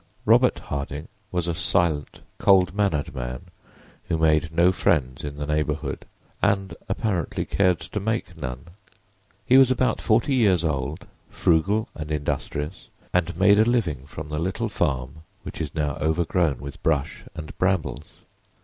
Robert Harding was a silent, cold mannered man who made no friends in the neighborhood and apparently cared to make none. He was about forty years old, frugal and industrious, and made a living from the little farm which is now overgrown with brush and brambles.